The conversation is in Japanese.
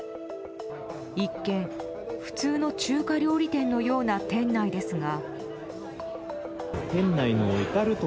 一見普通の中華料理店のような店内ですが。